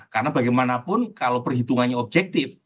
karena bagaimanapun kalau perhitungannya objektif